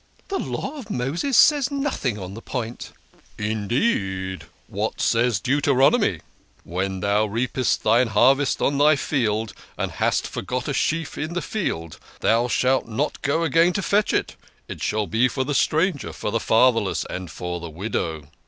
" The Law of Moses says nothing on the point !"" Indeed ! What says Deuteronomy ?' When thou reap 34 THE KING OF SCHNORRERS. est thine harvest in thy field, and hast forgot a sheaf in the field, thou shalt not go again to fetch it : it shall be for the stranger, for the fatherless, and for the widow.